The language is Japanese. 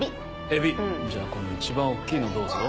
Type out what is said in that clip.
エビじゃあこの一番大っきいのどうぞ。